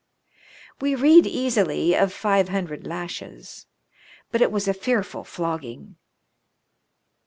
We read easily of five hundred lashes ; but it was a fearful flogging